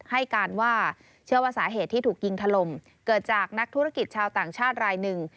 ให้การว่าเชื่อว่าสาเหตุที่ถูกยิงถล่มเกิดจากนักธุรกิจชาวต่างชาติรายหนึ่ง